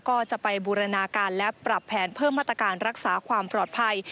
ก็จะไปบูรณาการและปรับแผนเพิ่มมาตรการรักษาความปลอดภัย